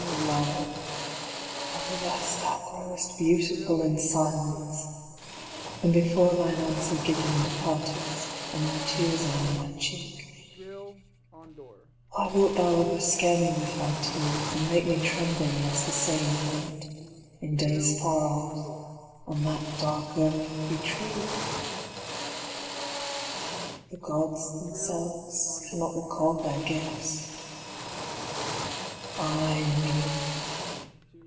Lo! ever thus thou growest beautiful In silence, then before thine answer given Departest, and thy tears are on my cheek. Why wilt thou ever scare me with thy tears, And make me tremble lest a saying learnt, In days far off, on that dark earth, be true? 'The Gods themselves cannot recall their gifts.' Ay me!